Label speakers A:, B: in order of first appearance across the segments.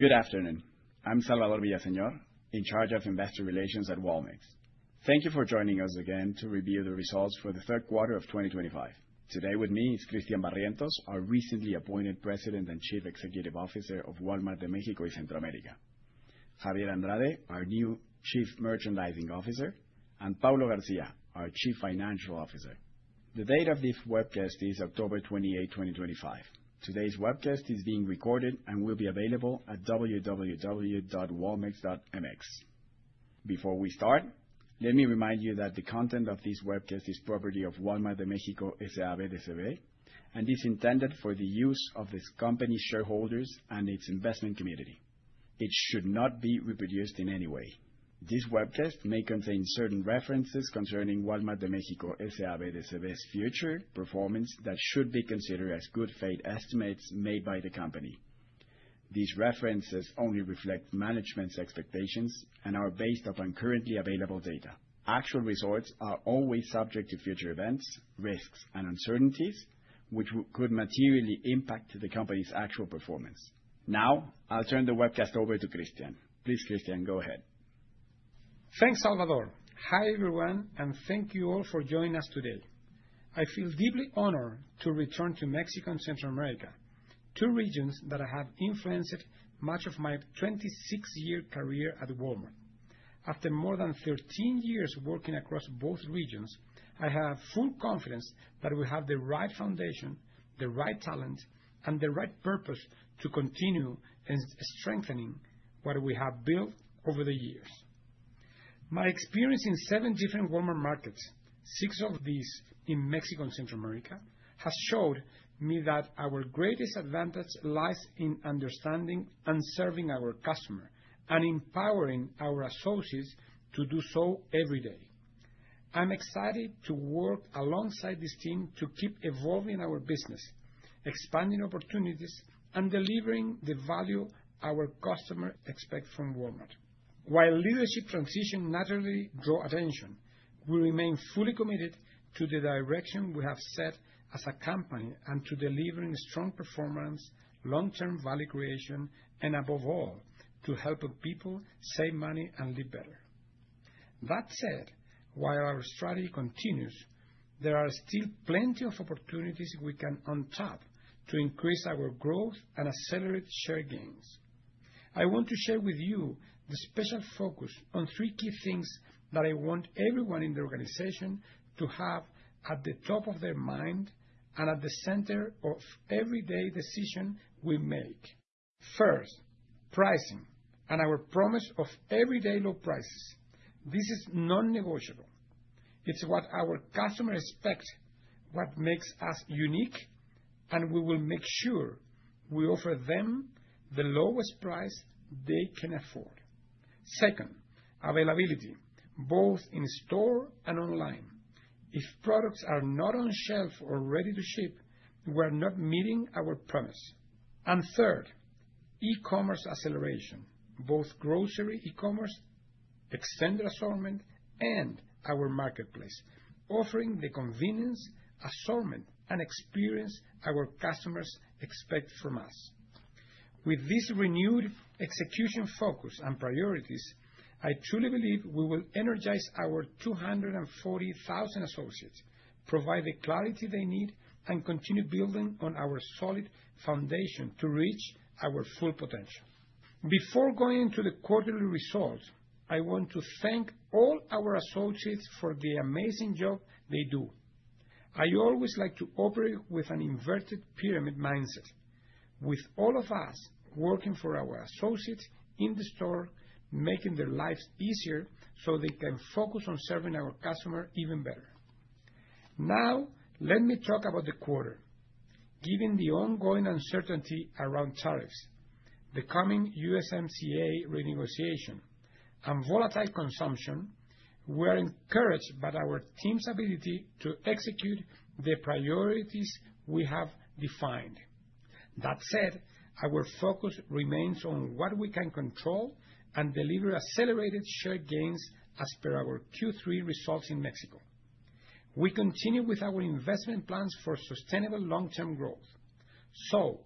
A: Good afternoon. I'm Salvador Villaseñor, in charge of investor relations at Walmex. Thank you for joining us again to review the results for the third quarter of 2025. Today with me is Cristian Barrientos, our recently appointed President and Chief Executive Officer of Walmart de México y Centroamérica, Javier Andrade, our new Chief Merchandising Officer, and Paulo Garcia, our Chief Financial Officer. The date of this webcast is October 28, 2025. Today's webcast is being recorded and will be available at www.walmex.mx. Before we start, let me remind you that the content of this webcast is Walmart de México S.A.B. de C.V., and is intended for the use of this company's shareholders and its investment community. It should not be reproduced in any way. This webcast may contain certain Walmart de México S.A.B. de C.V.'s future performance that should be considered as good faith estimates made by the company. These references only reflect management's expectations and are based on currently available data. Actual results are always subject to future events, risks, and uncertainties, which could materially impact the company's actual performance. Now, I'll turn the webcast over to Cristian. Please, Cristian, go ahead.
B: Thanks, Salvador. Hi everyone, and thank you all for joining us today. I feel deeply honored to return to Mexico and Central America, two regions that have influenced much of my 26-year career at Walmart. After more than 13 years working across both regions, I have full confidence that we have the right foundation, the right talent, and the right purpose to continue strengthening what we have built over the years. My experience in seven different Walmart markets, six of these in Mexico and Central America, has shown me that our greatest advantage lies in understanding and serving our customers, and empowering our associates to do so every day. I'm excited to work alongside this team to keep evolving our business, expanding opportunities, and delivering the value our customers expect from Walmart. While leadership transitions naturally draw attention, we remain fully committed to the direction we have set as a company and to delivering strong performance, long-term value creation, and above all, to help people save money and live better. That said, while our strategy continues, there are still plenty of opportunities we can untap to increase our growth and accelerate share gains. I want to share with you the special focus on three key things that I want everyone in the organization to have at the top of their mind and at the center of everyday decisions we make. First, pricing and our promise of everyday low prices. This is non-negotiable. It's what our customers expect, what makes us unique, and we will make sure we offer them the lowest price they can afford. Second, availability, both in store and online. If products are not on shelf or ready to ship, we are not meeting our promise, and third, e-commerce acceleration, both grocery e-commerce, extended assortment, and our marketplace, offering the convenience, assortment, and experience our customers expect from us. With this renewed execution focus and priorities, I truly believe we will energize our 240,000 associates, provide the clarity they need, and continue building on our solid foundation to reach our full potential. Before going into the quarterly results, I want to thank all our associates for the amazing job they do. I always like to operate with an inverted pyramid mindset, with all of us working for our associates in the store, making their lives easier so they can focus on serving our customers even better. Now, let me talk about the quarter. Given the ongoing uncertainty around tariffs, the coming USMCA renegotiation, and volatile consumption, we are encouraged by our team's ability to execute the priorities we have defined. That said, our focus remains on what we can control and deliver accelerated share gains as per our Q3 results in Mexico. We continue with our investment plans for sustainable long-term growth. So,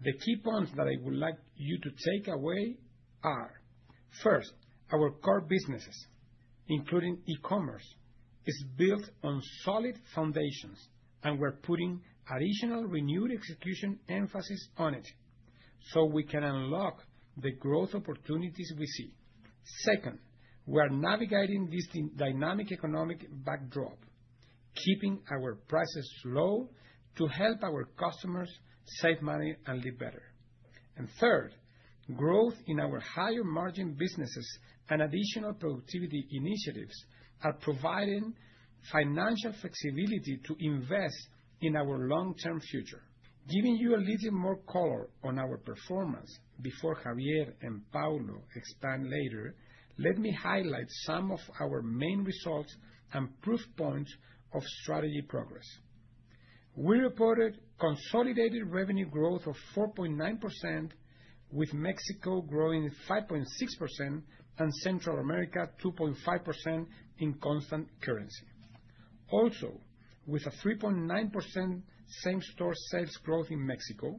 B: the key points that I would like you to take away are: First, our core businesses, including e-commerce, are built on solid foundations, and we're putting additional renewed execution emphasis on it so we can unlock the growth opportunities we see. Second, we are navigating this dynamic economic backdrop, keeping our prices low to help our customers save money and live better. And third, growth in our higher margin businesses and additional productivity initiatives are providing financial flexibility to invest in our long-term future. Giving you a little more color on our performance before Javier and Paulo expand later, let me highlight some of our main results and proof points of strategy progress. We reported consolidated revenue growth of 4.9%, with Mexico growing 5.6% and Central America 2.5% in constant currency. Also, with a 3.9% same-store sales growth in Mexico,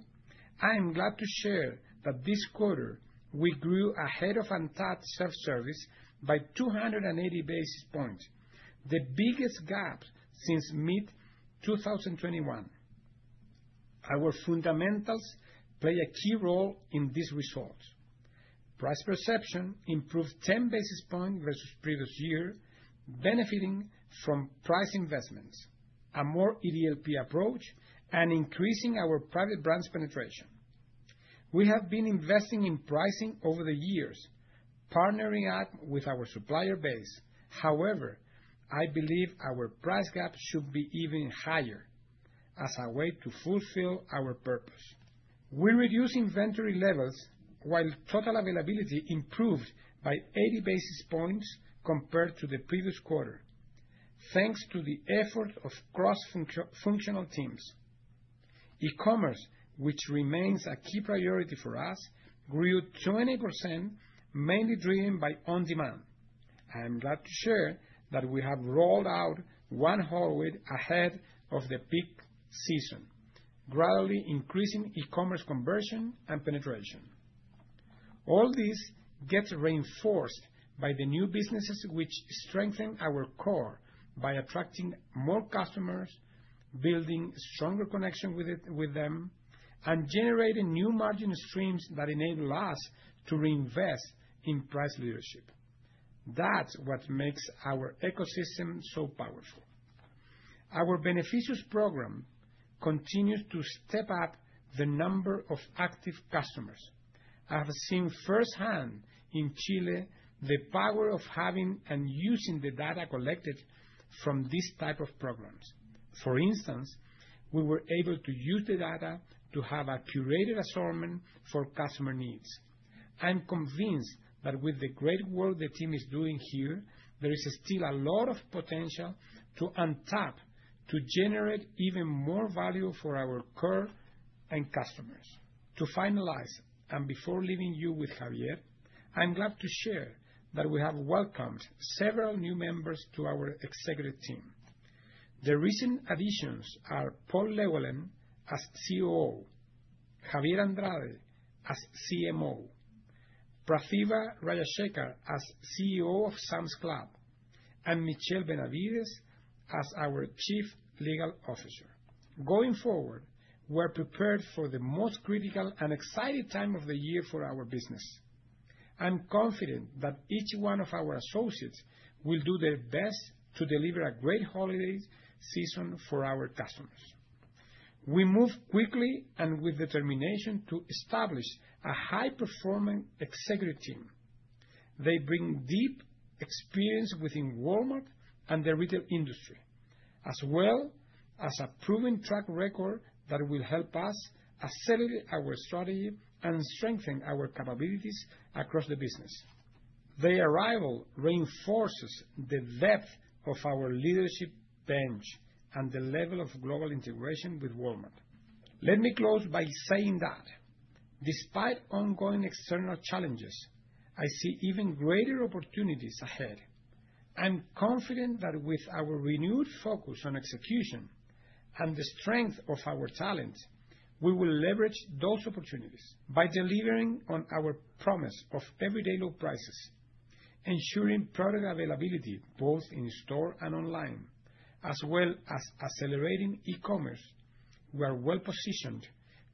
B: I am glad to share that this quarter we grew ahead of ANTAD Self-Service by 280 basis points, the biggest gap since mid-2021. Our fundamentals play a key role in these results. Price perception improved 10 basis points versus the previous year, benefiting from price investments, a more EDLP approach, and increasing our private brands penetration. We have been investing in pricing over the years, partnering up with our supplier base. However, I believe our price gap should be even higher as a way to fulfill our purpose. We reduced inventory levels while total availability improved by 80 basis points compared to the previous quarter, thanks to the effort of cross-functional teams. E-commerce, which remains a key priority for us, grew 20%, mainly driven by on-demand. I am glad to share that we have rolled out One Hallway ahead of the peak season, gradually increasing e-commerce conversion and penetration. All this gets reinforced by the new businesses, which strengthen our core by attracting more customers, building stronger connections with them, and generating new margin streams that enable us to reinvest in price leadership. That's what makes our ecosystem so powerful. Our Beneficiaries Program continues to step up the number of active customers. I have seen firsthand in Chile the power of having and using the data collected from these types of programs. For instance, we were able to use the data to have a curated assortment for customer needs. I'm convinced that with the great work the team is doing here, there is still a lot of potential to untap to generate even more value for our core and customers. To finalize, and before leaving you with Javier, I'm glad to share that we have welcomed several new members to our executive team. The recent additions are Paul Lewellen as COO, Javier Andrade as CMO, Prathibha Rajashekhar as CEO of Sam's Club, and Michelle Benavides as our Chief Legal Officer. Going forward, we are prepared for the most critical and exciting time of the year for our business. I'm confident that each one of our associates will do their best to deliver a great holiday season for our customers. We move quickly and with determination to establish a high-performing executive team. They bring deep experience within Walmart and the retail industry, as well as a proven track record that will help us accelerate our strategy and strengthen our capabilities across the business. Their arrival reinforces the depth of our leadership bench and the level of global integration with Walmart. Let me close by saying that despite ongoing external challenges, I see even greater opportunities ahead. I'm confident that with our renewed focus on execution and the strength of our talent, we will leverage those opportunities by delivering on our promise of everyday low prices, ensuring product availability both in store and online, as well as accelerating e-commerce. We are well-positioned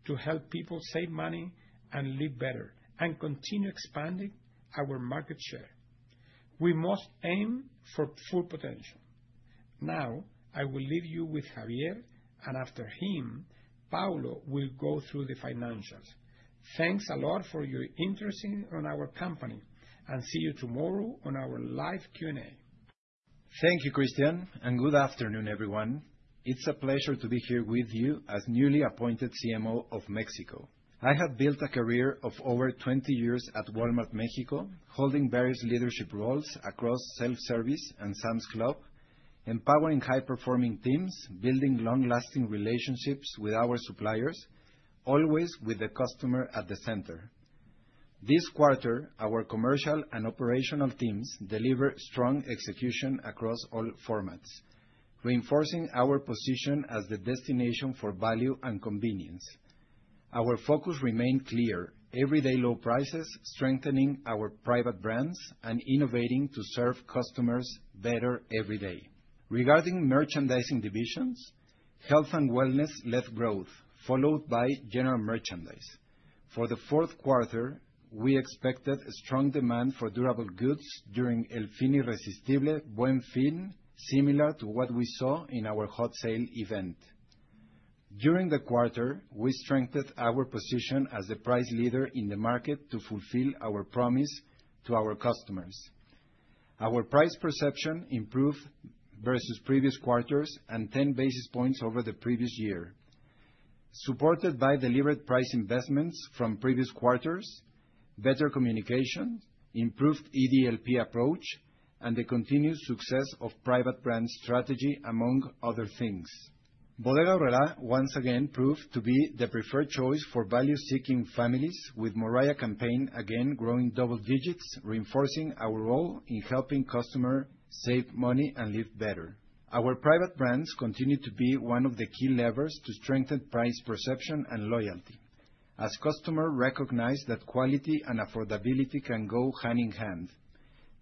B: to help people save money and live better and continue expanding our market share. We must aim for full potential. Now, I will leave you with Javier, and after him, Paulo will go through the financials. Thanks a lot for your interest in our company, and see you tomorrow on our live Q&A.
C: Thank you, Cristian, and good afternoon, everyone. It's a pleasure to be here with you as newly appointed CMO of Mexico. I have built a career of over 20 years at Walmart Mexico, holding various leadership roles across Self-Service and Sam's Club, empowering high-performing teams, building long-lasting relationships with our suppliers, always with the customer at the center. This quarter, our commercial and operational teams deliver strong execution across all formats, reinforcing our position as the destination for value and convenience. Our focus remains clear: everyday low prices, strengthening our private brands, and innovating to serve customers better every day. Regarding merchandising divisions, health and wellness led growth, followed by general merchandise. For the fourth quarter, we expected strong demand for durable goods during El Fin Irresistible, Buen Fin, similar to what we saw in our Hot Sale event. During the quarter, we strengthened our position as the price leader in the market to fulfill our promise to our customers. Our price perception improved versus previous quarters and 10 basis points over the previous year, supported by delivered price investments from previous quarters, better communication, improved EDLP approach, and the continued success of private brand strategy, among other things. Bodega Aurrera once again proved to be the preferred choice for value-seeking families, with Morralla campaign again growing double digits, reinforcing our role in helping customers save money and live better. Our private brands continue to be one of the key levers to strengthen price perception and loyalty, as customers recognize that quality and affordability can go hand in hand.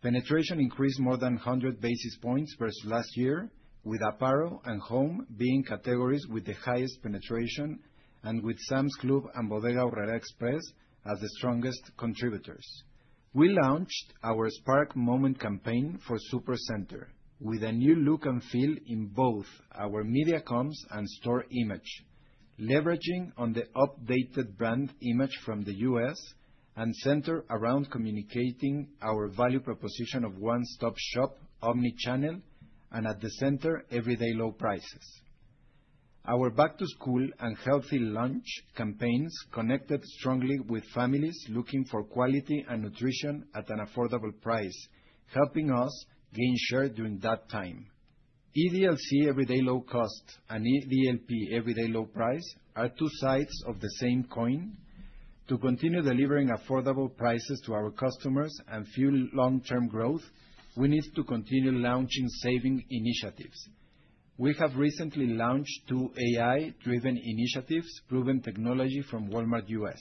C: Penetration increased more than 100 basis points versus last year, with apparel and home being categories with the highest penetration, and with Sam's Club and Bodega Aurrera Express as the strongest contributors. We launched our Spark Moment campaign for Supercenter, with a new look and feel in both our media comms and store image, leveraging the updated brand image from the U.S. and centered around communicating our value proposition of one-stop shop, omnichannel, and, at the center, everyday low prices. Our back-to-school and Healthy Lunch campaigns connected strongly with families looking for quality and nutrition at an affordable price, helping us gain share during that time. EDLC everyday low cost and EDLP everyday low price are two sides of the same coin. To continue delivering affordable prices to our customers and fuel long-term growth, we need to continue launching savings initiatives. We have recently launched two AI-driven initiatives, proven technology from Walmart U.S.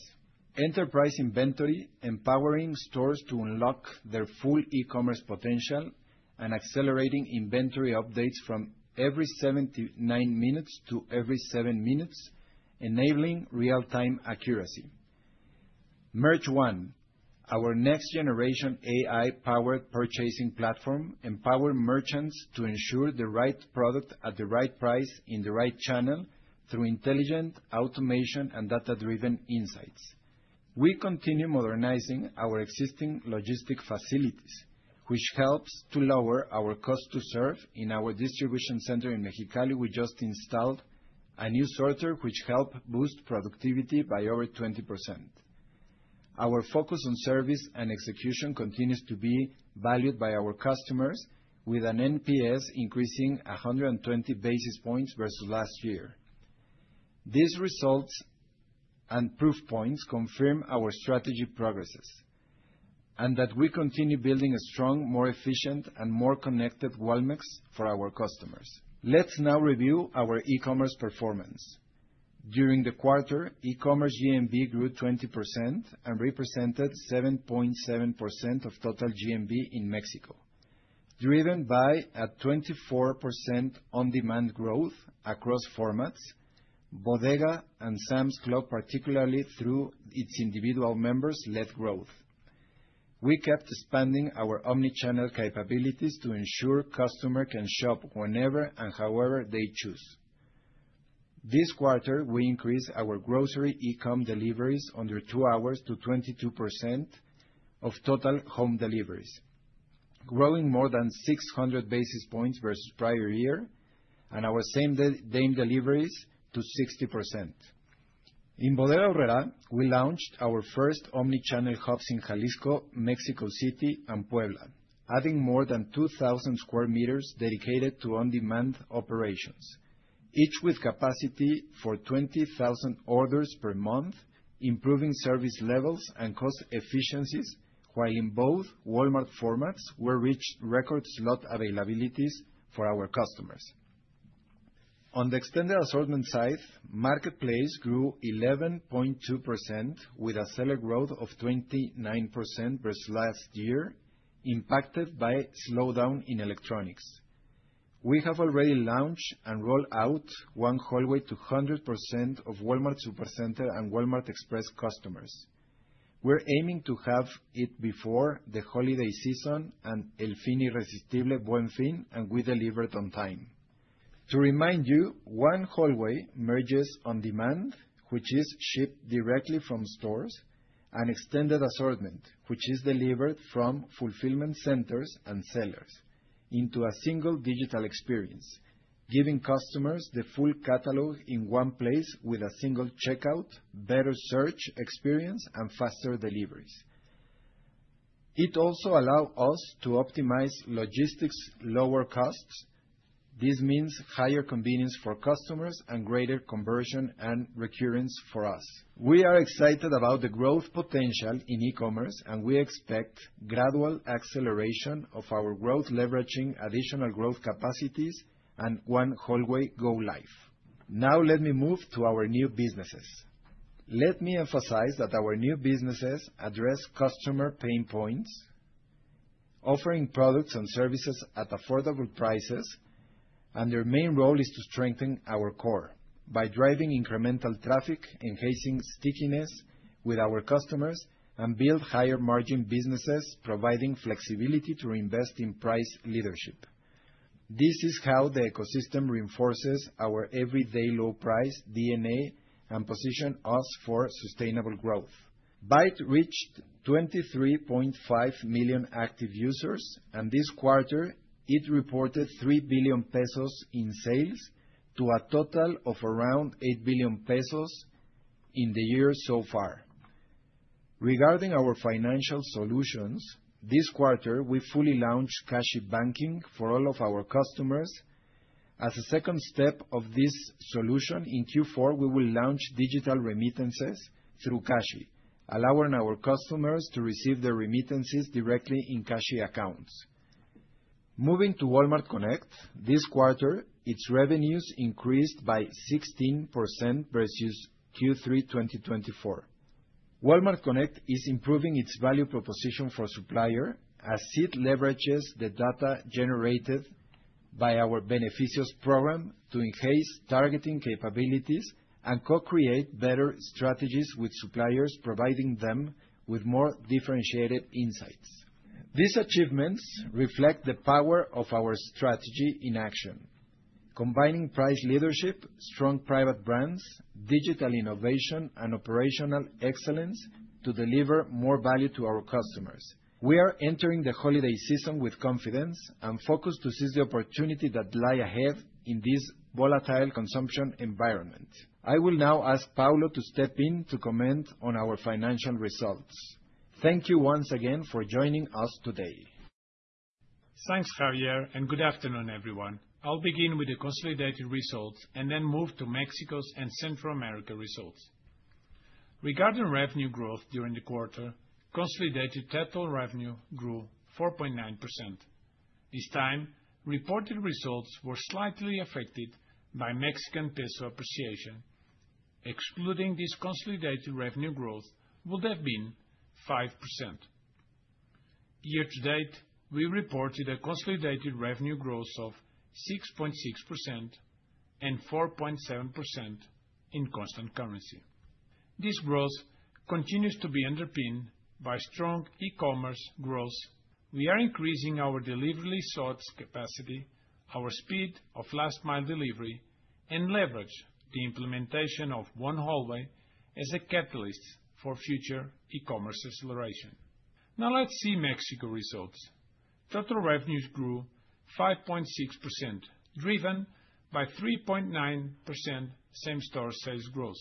C: Enterprise Inventory empowering stores to unlock their full e-commerce potential and accelerating inventory updates from every 79 minutes to every seven minutes, enabling real-time accuracy. MerchOne, our next-generation AI-powered purchasing platform, empowers merchants to ensure the right product at the right price in the right channel through intelligent automation and data-driven insights. We continue modernizing our existing logistics facilities, which helps to lower our cost to serve in our distribution center in Mexicali. We just installed a new sorter, which helps boost productivity by over 20%. Our focus on service and execution continues to be valued by our customers, with an NPS increasing 120 basis points versus last year. These results and proof points confirm our strategy progresses and that we continue building a strong, more efficient, and more connected Walmart for our customers. Let's now review our e-commerce performance. During the quarter, e-commerce GMV grew 20% and represented 7.7% of total GMV in Mexico, driven by a 24% on-demand growth across formats, Bodega and Sam's Club, particularly through its individual members' led growth. We kept expanding our omnichannel capabilities to ensure customers can shop whenever and however they choose. This quarter, we increased our grocery e-com deliveries under two hours to 22% of total home deliveries, growing more than 600 basis points versus the prior year, and our same-day deliveries to 60%. In Bodega Aurrera, we launched our first omnichannel hubs in Jalisco, Mexico City, and Puebla, adding more than 2,000 square meters dedicated to on-demand operations, each with capacity for 20,000 orders per month, improving service levels and cost efficiencies while in both Walmart formats, we reached record slot availabilities for our customers. On the extended assortment side, Marketplace grew 11.2% with a seller growth of 29% versus last year, impacted by a slowdown in electronics. We have already launched and rolled out One Hallway to 100% of Walmart Supercenter and Walmart Express customers. We're aiming to have it before the holiday season and El Fin Irresistible, Buen Fin, and we delivered on time. To remind you, One Hallway merges on-demand, which is shipped directly from stores, and extended assortment, which is delivered from fulfillment centers and sellers into a single digital experience, giving customers the full catalog in one place with a single checkout, better search experience, and faster deliveries. It also allows us to optimize logistics, lower costs. This means higher convenience for customers and greater conversion and recurrence for us. We are excited about the growth potential in e-commerce, and we expect gradual acceleration of our growth, leveraging additional growth capacities and One Hallway go live. Now, let me move to our new businesses. Let me emphasize that our new businesses address customer pain points, offering products and services at affordable prices, and their main role is to strengthen our core by driving incremental traffic, enhancing stickiness with our customers, and build higher margin businesses, providing flexibility to reinvest in price leadership. This is how the ecosystem reinforces our everyday low price DNA and positions us for sustainable growth. Bait reached 23.5 million active users, and this quarter, it reported 3 billion pesos in sales to a total of around 8 billion pesos in the year so far. Regarding our financial solutions, this quarter, we fully launched cash banking for all of our customers. As a second step of this solution, in Q4, we will launch digital remittances through Cashi, allowing our customers to receive their remittances directly in Cashi accounts. Moving to Walmart Connect, this quarter, its revenues increased by 16% versus Q3 2024. Walmart Connect is improving its value proposition for suppliers as it leverages the data generated by our Beneficiaries Program to enhance targeting capabilities and co-create better strategies with suppliers, providing them with more differentiated insights. These achievements reflect the power of our strategy in action, combining price leadership, strong private brands, digital innovation, and operational excellence to deliver more value to our customers. We are entering the holiday season with confidence and focus to seize the opportunity that lies ahead in this volatile consumption environment. I will now ask Paulo to step in to comment on our financial results. Thank you once again for joining us today.
D: Thanks, Javier, and good afternoon, everyone. I'll begin with the consolidated results and then move to Mexico's and Central America results. Regarding revenue growth during the quarter, consolidated total revenue grew 4.9%. This time, reported results were slightly affected by Mexican peso appreciation. Excluding this consolidated revenue growth, it would have been 5%. Year to date, we reported a consolidated revenue growth of 6.6% and 4.7% in constant currency. This growth continues to be underpinned by strong e-commerce growth. We are increasing our delivery results capacity, our speed of last-mile delivery, and leverage the implementation of One Hallway as a catalyst for future e-commerce acceleration. Now, let's see Mexico results. Total revenues grew 5.6%, driven by 3.9% same-store sales growth,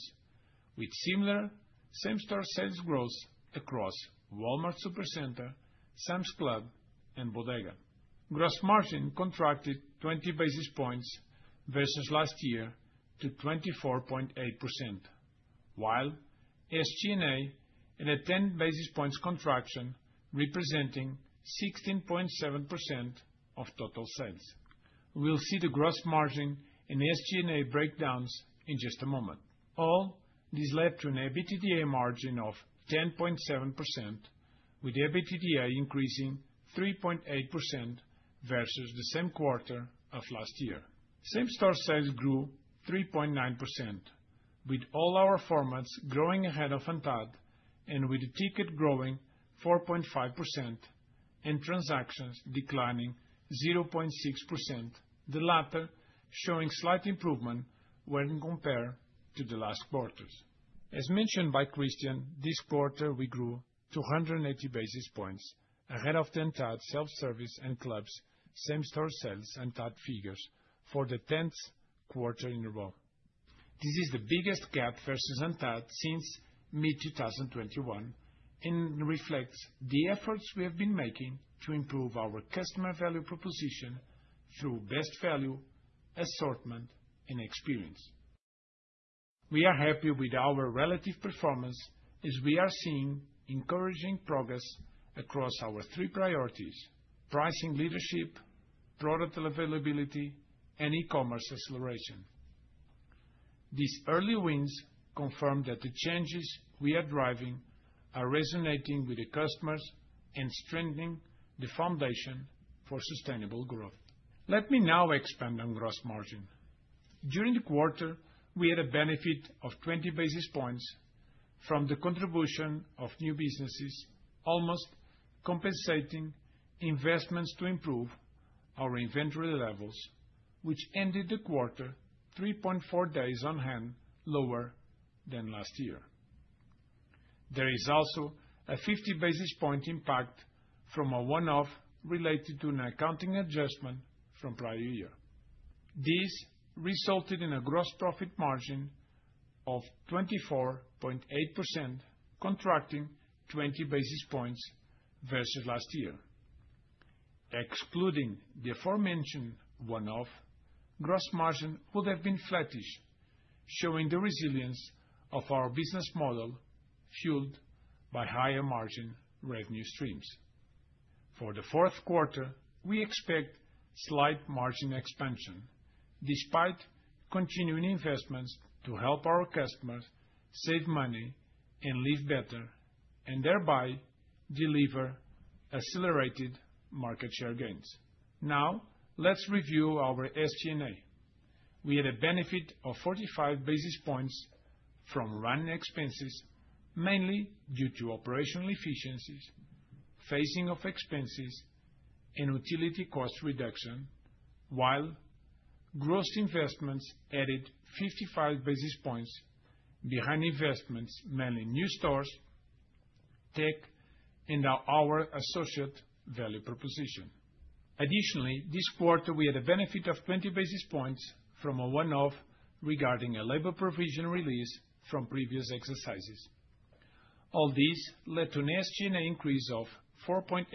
D: with similar same-store sales growth across Walmart Supercenter, Sam's Club, and Bodega. Gross margin contracted 20 basis points versus last year to 24.8%, while SG&A had a 10 basis points contraction, representing 16.7% of total sales. We'll see the gross margin and SG&A breakdowns in just a moment. All this led to an EBITDA margin of 10.7%, with EBITDA increasing 3.8% versus the same quarter of last year. Same-store sales grew 3.9%, with all our formats growing ahead of ANTAD and with the ticket growing 4.5% and transactions declining 0.6%, the latter showing slight improvement when compared to the last quarter. As mentioned by Cristian, this quarter, we grew 280 basis points ahead of the ANTAD self-service and clubs same-store sales ANTAD figures for the 10th quarter in a row. This is the biggest gap versus ANTAD since mid-2021 and reflects the efforts we have been making to improve our customer value proposition through best value, assortment, and experience. We are happy with our relative performance as we are seeing encouraging progress across our three priorities: pricing leadership, product availability, and e-commerce acceleration. These early wins confirm that the changes we are driving are resonating with the customers and strengthening the foundation for sustainable growth. Let me now expand on gross margin. During the quarter, we had a benefit of 20 basis points from the contribution of new businesses, almost compensating investments to improve our inventory levels, which ended the quarter 3.4 days on hand lower than last year. There is also a 50 basis point impact from a one-off related to an accounting adjustment from the prior year. This resulted in a gross profit margin of 24.8%, contracting 20 basis points versus last year. Excluding the aforementioned one-off, gross margin would have been flattish, showing the resilience of our business model fueled by higher margin revenue streams. For the fourth quarter, we expect slight margin expansion despite continuing investments to help our customers save money and live better and thereby deliver accelerated market share gains. Now, let's review our SG&A. We had a benefit of 45 basis points from running expenses, mainly due to operational efficiencies, phasing of expenses, and utility cost reduction, while gross investments added 55 basis points behind investments mainly in new stores, tech, and our associate value proposition. Additionally, this quarter, we had a benefit of 20 basis points from a one-off regarding a labor provision release from previous exercises. All these led to an SG&A increase of 4.8%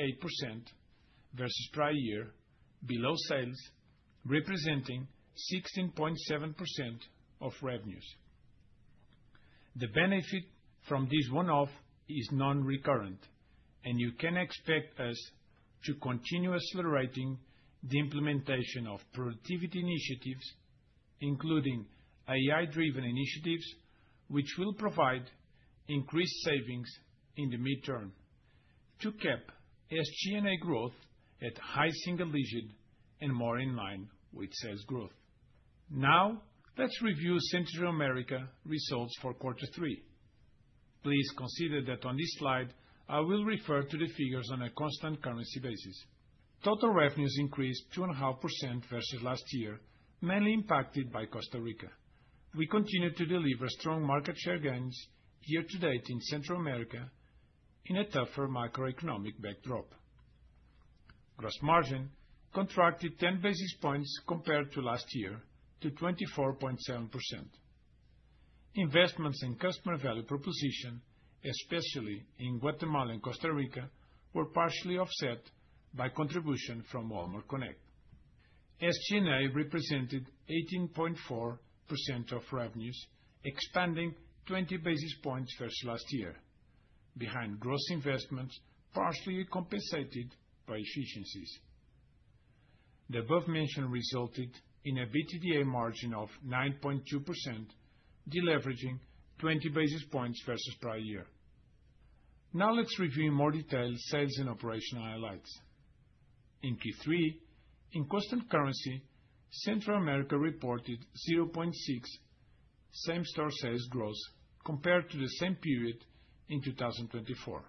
D: versus prior year, below sales, representing 16.7% of revenues. The benefit from this one-off is non-recurrent, and you can expect us to continue accelerating the implementation of productivity initiatives, including AI-driven initiatives, which will provide increased savings in the midterm to keep SG&A growth at high single digit and more in line with sales growth. Now, let's review Central America results for quarter three. Please consider that on this slide, I will refer to the figures on a constant currency basis. Total revenues increased 2.5% versus last year, mainly impacted by Costa Rica. We continue to deliver strong market share gains year to date in Central America in a tougher macroeconomic backdrop. Gross margin contracted 10 basis points compared to last year to 24.7%. Investments in customer value proposition, especially in Guatemala and Costa Rica, were partially offset by contribution from Walmart Connect. SG&A represented 18.4% of revenues, expanding 20 basis points versus last year, behind gross investments partially compensated by efficiencies. The above mentioned resulted in an EBITDA margin of 9.2%, deleveraging 20 basis points versus prior year. Now, let's review in more detail sales and operational highlights. In Q3, in constant currency, Central America reported 0.6% same-store sales growth compared to the same period in 2024,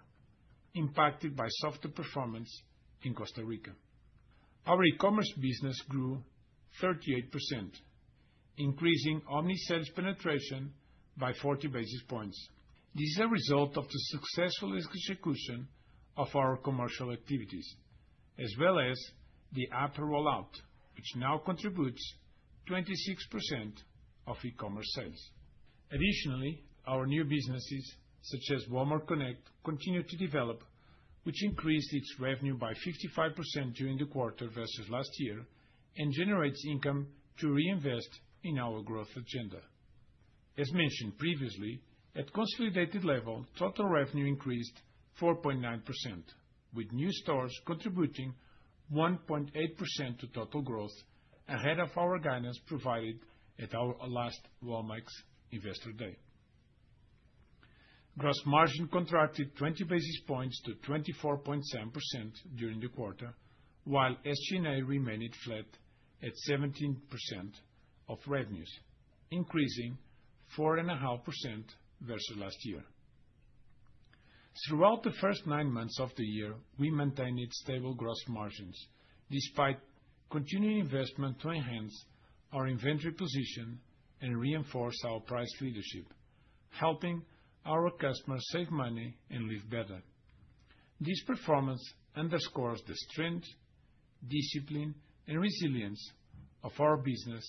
D: impacted by softer performance in Costa Rica. Our e-commerce business grew 38%, increasing omni-sales penetration by 40 basis points. This is a result of the successful execution of our commercial activities, as well as the App rollout, which now contributes 26% of e-commerce sales. Additionally, our new businesses, such as Walmart Connect, continue to develop, which increased its revenue by 55% during the quarter versus last year and generates income to reinvest in our growth agenda. As mentioned previously, at consolidated level, total revenue increased 4.9%, with new stores contributing 1.8% to total growth ahead of our guidance provided at our last Walmart Investor Day. Gross margin contracted 20 basis points to 24.7% during the quarter, while SG&A remained flat at 17% of revenues, increasing 4.5% versus last year. Throughout the first nine months of the year, we maintained stable gross margins despite continuing investment to enhance our inventory position and reinforce our price leadership, helping our customers save money and live better. This performance underscores the strength, discipline, and resilience of our business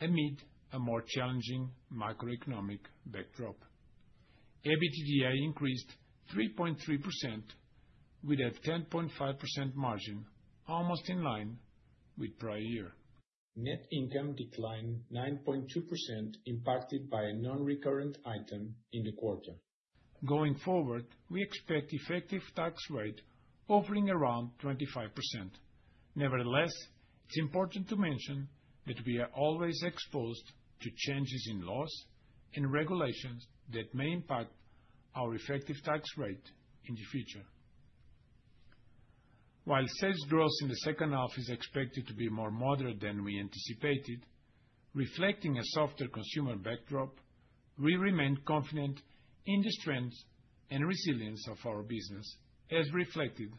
D: amid a more challenging macroeconomic backdrop. EBITDA increased 3.3%, with a 10.5% margin, almost in line with prior year. Net income declined 9.2%, impacted by a non-recurrent item in the quarter. Going forward, we expect effective tax rate hovering around 25%. Nevertheless, it's important to mention that we are always exposed to changes in laws and regulations that may impact our effective tax rate in the future. While sales growth in the second half is expected to be more moderate than we anticipated, reflecting a softer consumer backdrop, we remain confident in the strength and resilience of our business, as reflected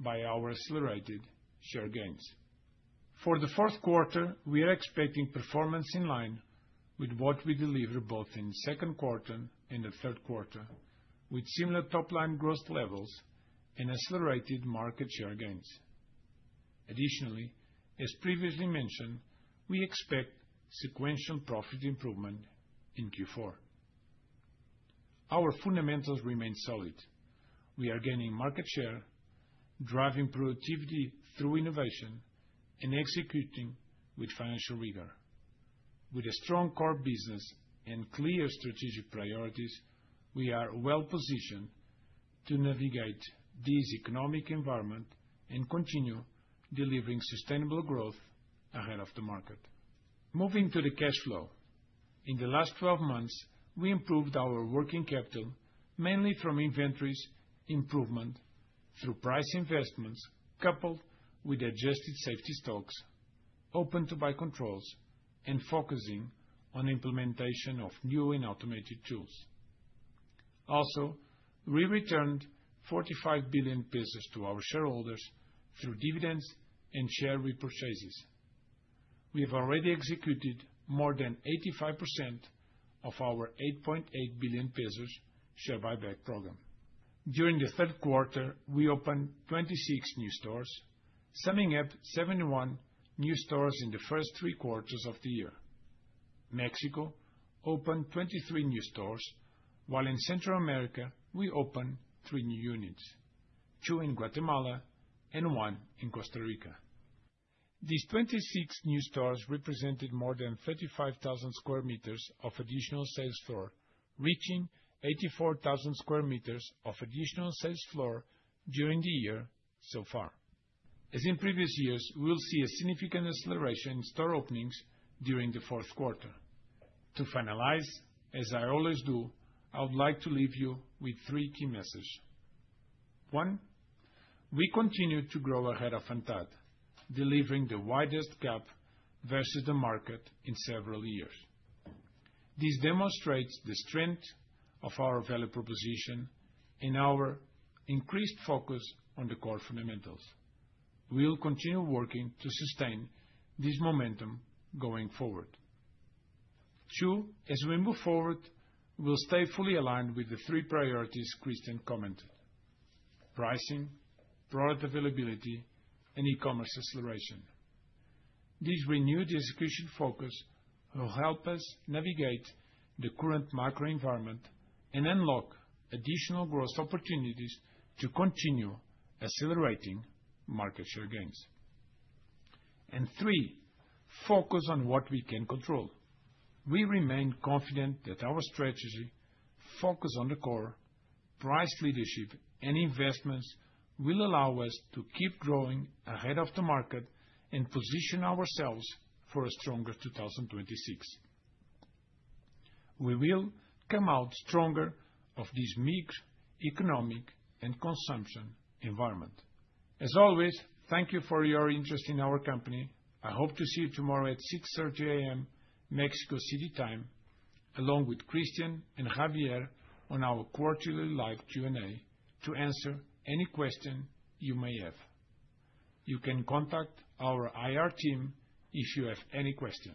D: by our accelerated share gains. For the fourth quarter, we are expecting performance in line with what we delivered both in the second quarter and the third quarter, with similar top-line growth levels and accelerated market share gains. Additionally, as previously mentioned, we expect sequential profit improvement in Q4. Our fundamentals remain solid. We are gaining market share, driving productivity through innovation and executing with financial rigor. With a strong core business and clear strategic priorities, we are well-positioned to navigate this economic environment and continue delivering sustainable growth ahead of the market. Moving to the cash flow. In the last 12 months, we improved our working capital mainly from inventories improvement through price investments coupled with adjusted safety stocks, open-to-buy controls, and focusing on implementation of new and automated tools. Also, we returned 45 billion pesos to our shareholders through dividends and share repurchases. We have already executed more than 85% of our 8.8 billion pesos share buyback program. During the third quarter, we opened 26 new stores, summing up 71 new stores in the first three quarters of the year. Mexico opened 23 new stores, while in Central America, we opened three new units, two in Guatemala and one in Costa Rica. These 26 new stores represented more than 35,000 square meters of additional sales floor, reaching 84,000 square meters of additional sales floor during the year so far. As in previous years, we will see a significant acceleration in store openings during the fourth quarter. To finalize, as I always do, I would like to leave you with three key messages. One, we continue to grow ahead of ANTAD, delivering the widest gap versus the market in several years. This demonstrates the strength of our value proposition and our increased focus on the core fundamentals. We will continue working to sustain this momentum going forward. Two, as we move forward, we'll stay fully aligned with the three priorities Cristian commented: pricing, product availability, and e-commerce acceleration. This renewed execution focus will help us navigate the current macro environment and unlock additional growth opportunities to continue accelerating market share gains. And three, focus on what we can control. We remain confident that our strategy, focus on the core, price leadership, and investments will allow us to keep growing ahead of the market and position ourselves for a stronger 2026. We will come out stronger of this mixed economic and consumption environment. As always, thank you for your interest in our company. I hope to see you tomorrow at 6:30 A.M. Mexico City Time, along with Cristian and Javier on our quarterly live Q&A to answer any question you may have. You can contact our IR team if you have any questions.